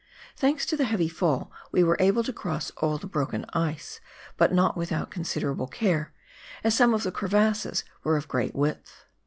Thanks to the heavy fall, we were able to cross all the broken ice, but not without considerable care, as some of the crevasses were of great width.